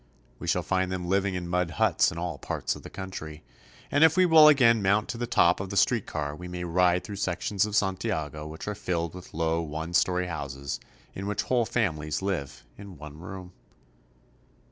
We shall find them living in mud huts in all parts of the country, and if we will again mount to the top of the street car we may ride through sections of Santiago which are filled with low one story houses in which whole families live in one room.